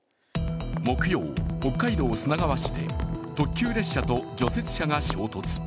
木曜、北海道砂川市で特急列車と除雪車が衝突。